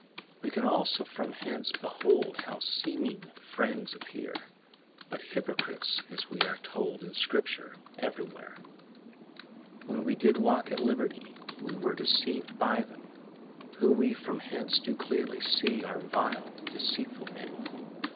We can also from hence behold How seeming friends appear But hypocrites, as we are told In Scripture everywhere. When we did walk at liberty We were deceiv'd by them, Who we from hence do clearly see Are vile, deceitful men.